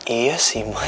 iya sih ma